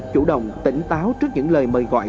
chủ động tỉnh táo trước những lời mời gọi